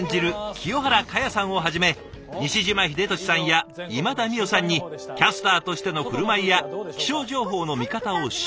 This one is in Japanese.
清原果耶さんをはじめ西島秀俊さんや今田美桜さんにキャスターとしての振る舞いや気象情報の見方を指導すること。